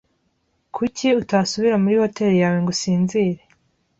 Kuki utasubira muri hoteri yawe ngo usinzire?